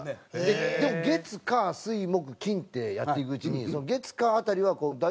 でも月火水木金ってやっていくうちに月火辺りは「大丈夫か？」